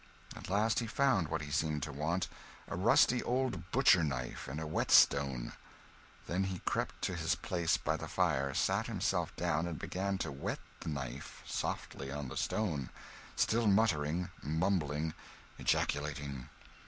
At last he found what he seemed to want a rusty old butcher knife and a whetstone. Then he crept to his place by the fire, sat himself down, and began to whet the knife softly on the stone, still muttering, mumbling, ejaculating.